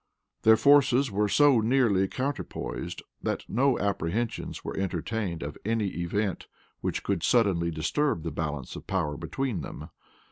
Their forces were so nearly counterpoised, that no apprehensions were entertained of any event which could suddenly disturb the balance of power between them.